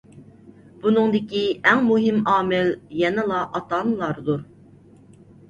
بۇنىڭدىكى ئەڭ مۇھىم ئامىل يەنىلا ئاتا-ئانىلاردۇر.